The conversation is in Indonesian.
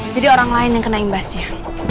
jadi orang lain yang kena imbasnya